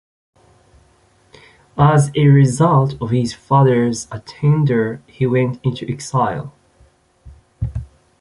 As a result of his father's attainder, he went into exile.